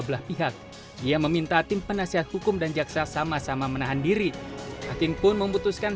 belah pihak ia meminta tim penasehat hukum dan jaksa sama sama menahan diri hakim pun memutuskan